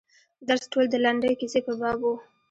درس ټول د لنډې کیسې په باب و.